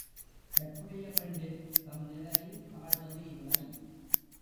கற்புடைய பெண்டிர் தம் நிலையில் தாழ்வது இல்லை.